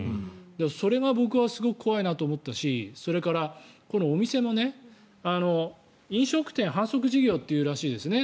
それが僕はすごく怖いなと思ったしそれから、このお店も飲食店販促事業っていうらしいですね。